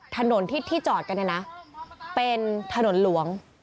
ถนนที่จอดกันเนี่ยนะเป็นถนนหลวง